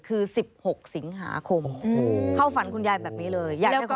คือ๑๖สิงหาคมเข้าฝันคุณยายแบบนี้เลย